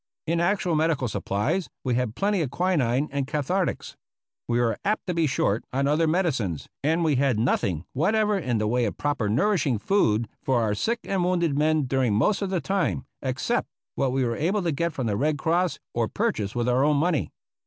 In actual medi cal supplies, we had plenty of quinine and cathartics. We were apt to be short on other medicines, and we had noth ing whatever in the way of proper nourishing food for our sick and wounded men during most of the time, except what we were able to get from the Red Cross or purchase with our own money.